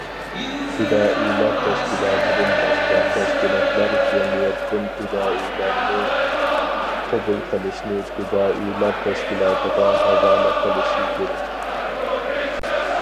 پىدائىيلار تەشكىلاتىدىن باشقا تەشكىلاتلار جەمئىيەتتىن پىدائىيلارنى قوبۇل قىلىشنى پىدائىيلار تەشكىلاتىغا ھاۋالە قىلىشى كېرەك.